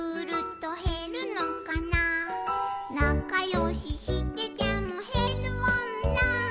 「なかよししててもへるもんなー」